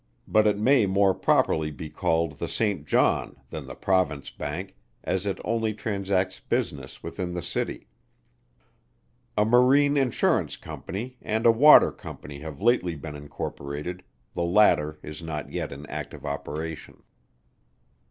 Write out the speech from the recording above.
but it may more properly be called the St. John, than the Province Bank, as it only transacts business within the City. A Marine Insurance Company, and a Water Company have lately been incorporated; the latter is not yet in active operation.